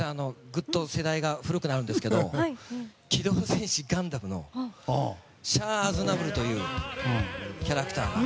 ぐっと世代が古くなるんですけど「機動戦士ガンダム」のシャア・アズナブルというキャラクターが。